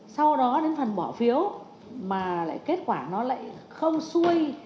sau đó đến phần bỏ phiếu mà lại kết quả nó lại không xuôi